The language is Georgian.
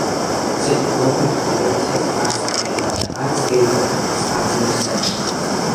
ასეთი გობი ხმარებისას არ სკდება და არც გემოს აძლევს საჭმელს.